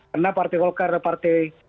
karena partai golkar adalah partai